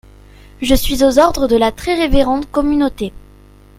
Je suis aux ordres de la très révérende communauté.